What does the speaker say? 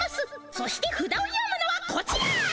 そしてふだを読むのはこちら！